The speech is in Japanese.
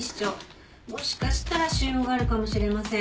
もしかしたら腫瘍があるかもしれません。